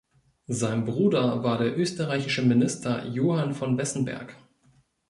Sein Bruder war der österreichische Minister Johann von Wessenberg.